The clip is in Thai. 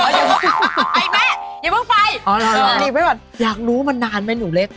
ไอ้แม่อย่าเพิ่งไปอยากรู้มันนานไหมหนูเล็ก